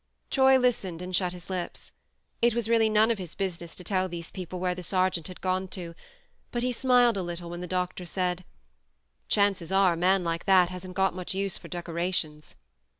Troy listened and shut his lips. It was really none of his business to tell these people where the sergeant had gone to ; but he smiled a little when the doctor said :" Chances are a man like that hasn't got much use for decorations